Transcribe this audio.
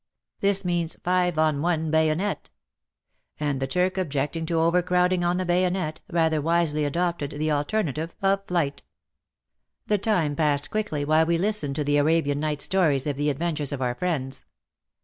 This means, " Five on one bayonet "! And the Turk, objecting to overcrowding on the bayonet, rather wisely adopted the alternative of flight. The time passed quickly while we listened to the Arabian Night stories of the adventures of our friends.